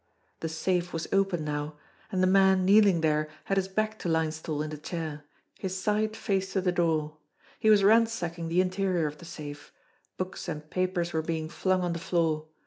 The safe was open now, and the man kneeling there had his back to Linesthal in the chair, his side face to the door. He was ransacking the interior of the safe. Books and papers were being flung on the floor.